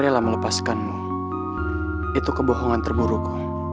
beliau lah melepaskanmu itu kebohongan terburuk